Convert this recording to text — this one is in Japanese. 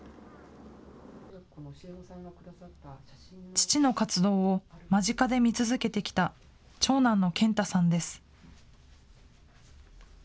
父の活動を間近で見続けてきた、長男の健太さんです。